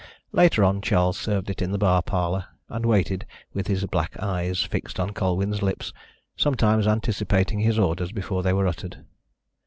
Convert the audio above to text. Later on Charles served it in the bar parlour, and waited with his black eyes fixed on Colwyn's lips, sometimes anticipating his orders before they were uttered.